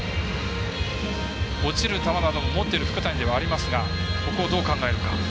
落ちる球なども持っている福谷ではありますがここをどう考えるか。